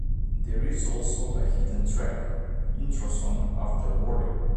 There is also a hidden track, "Intro Song", after "Worry".